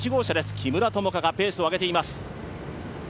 木村友香がペースを上げています。